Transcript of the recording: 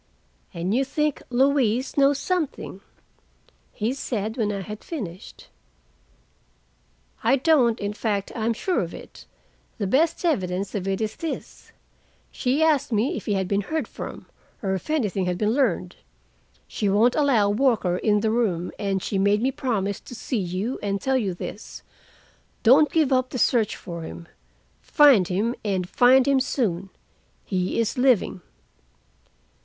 "And you think Louise knows something?" he said when I had finished. "I don't—in fact, I am sure of it. The best evidence of it is this: she asked me if he had been heard from, or if anything had been learned. She won't allow Walker in the room, and she made me promise to see you and tell you this: don't give up the search for him. Find him, and find him soon. He is living."